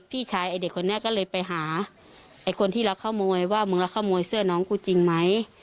พี่ชายเด็กคนนี้ก็เลยไปหาคนที่รักข้าวโมยว่ามึงรักข้าวโมยเสื้อน้องกูจริงไหม